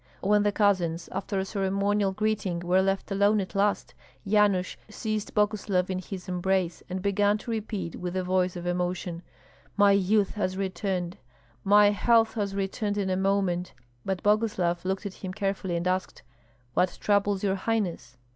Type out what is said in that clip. When the cousins, after a ceremonial greeting, were left alone at last, Yanush seized Boguslav in his embrace and began to repeat, with a voice of emotion, "My youth has returned! My health has returned in a moment!" But Boguslav looked at him carefully and asked, "What troubles your highness?"